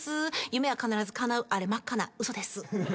「夢は必ずかなう」あれ真っ赤な嘘です。